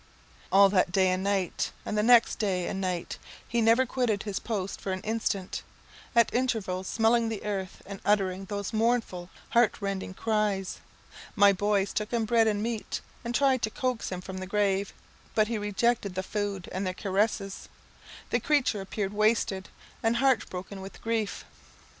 All that day and night, and the next day and night, he never quitted his post for an instant, at intervals smelling the earth, and uttering those mournful, heart rending cries. My boys took him bread and meat, and tried to coax him from the grave; but he rejected the food and their caresses. The creature appeared wasted and heartbroken with grief.